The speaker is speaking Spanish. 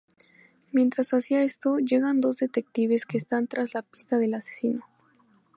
Mientras hacía esto, llegan dos detectives que están tras la pista del asesino.